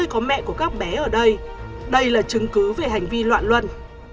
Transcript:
có bé ở đây đây là chứng cứ về hành vi loạn luân